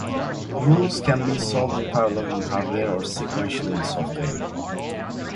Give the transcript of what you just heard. Rules can be solved in parallel in hardware, or sequentially in software.